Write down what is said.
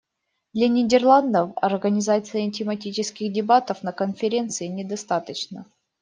Для Нидерландов организации тематических дебатов на Конференции не достаточно.